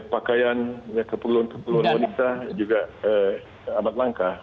pakaian yang keperluan keperluan kita juga amat langka